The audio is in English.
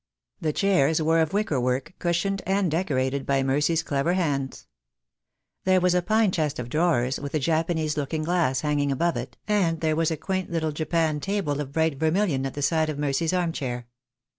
The chairs were of wicker work, cushioned and decorated by Mercy's clever hands. There was a pine chest of drawers, with a Japanese look ing glass hanging above it, and there was a quaint little japanned table of bright vermilion at the side of Mercy's arm chair.